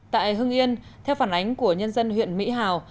tại hưng yên theo phản ánh của nhân dân huyện mỹ hào